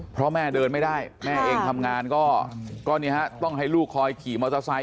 เพราะแม่เดินไม่ได้แม่เองทำงานก็ต้องให้ลูกคอยขี่มอเตอร์ไซค